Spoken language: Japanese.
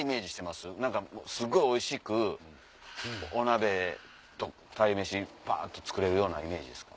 すっごいおいしくお鍋と鯛めしぱっと作れるようなイメージですか？